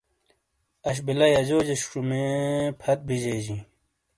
اش بلہ یازیو جہ شمیۓ فت بیجےجیں۔